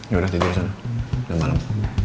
yaudah tidur sana udah malem